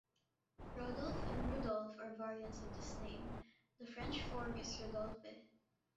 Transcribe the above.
Rodulf and Rudolf are variants of this name; the French form is "Rodolphe".